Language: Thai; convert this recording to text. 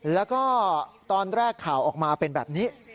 แล้วก็ตอนแรกข่าวออกมาเป็นแบบนี้